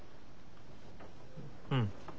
うん。